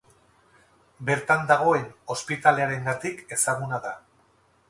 Bertan dagoen ospitalearengatik ezaguna da.